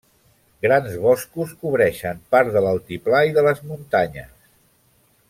Grans boscos cobreixen part de l'altiplà i de les muntanyes.